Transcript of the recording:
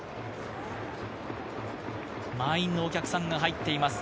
満員のお客さんが入っています。